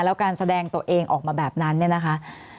แล้วการแสดงตัวเองออกมาแบบนั้นเนี่ยนะคะ